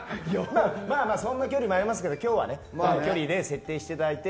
そんな距離もありますけど今日は短距離で設定してもらって。